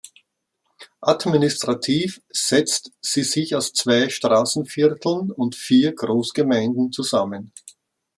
Administrativ setzt sie sich aus zwei Straßenvierteln und vier Großgemeinden zusammen.